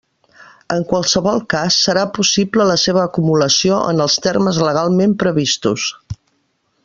En qualsevol cas serà possible la seva acumulació en els termes legalment previstos.